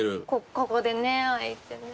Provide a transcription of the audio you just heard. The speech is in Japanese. ここでね開いてね。